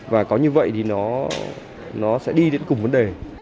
và có như vậy thì nó sẽ đi đến cùng vấn đề